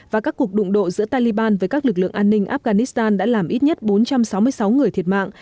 và các cuộc đụng độ giữa taliban với các lực lượng an ninh afghanistan đã làm ít nhất bốn trăm sáu mươi sáu người thiệt mạng